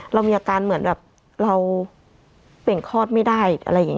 เรามีอาการเหมือนแบบเราเปลี่ยนคลอดไม่ได้